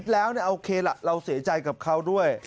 แล้วโอเคล่ะเราเสียใจกับเขาด้วย